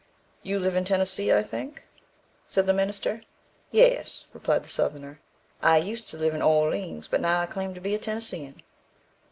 "You live in Tennessee, I think," said the minister. "Yes," replied the Southerner, "I used to live in Orleans, but now I claim to be a Tennessean."